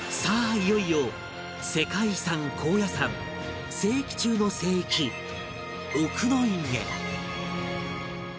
いよいよ世界遺産高野山聖域中の聖域奥之院へ